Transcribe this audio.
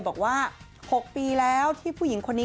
บอกว่า๖ปีแล้วที่ผู้หญิงคนนี้